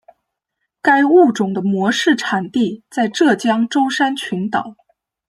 该物种的模式产地在浙江舟山群岛。